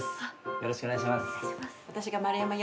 よろしくお願いします。